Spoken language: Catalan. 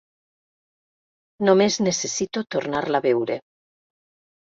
Només necessito tornar-la a veure.